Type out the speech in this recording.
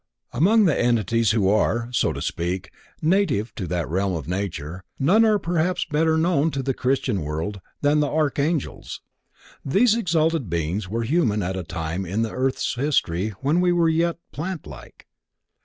Among the entities who are, so to speak, "native" to that realm of nature, none are perhaps better known to the Christian world than the Archangels. These exalted Beings were human at a time in the earth's history when we were yet plant like.